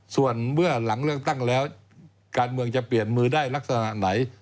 ส่วนเมื่อหลังเลือกตั้งแล้วการเมืองจะเปลี่ยนมือได้ลักษณะไหน